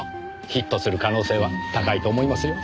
ヒットする可能性は高いと思いますよ。